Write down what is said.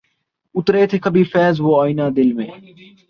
اترے تھے کبھی فیضؔ وہ آئینۂ دل میں